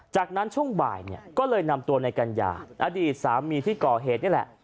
จากนั้นช่วงบ่ายเนี่ยก็เลยนำตัวในกัญญาอดีตสามีที่ก่อเหตุนี่แหละ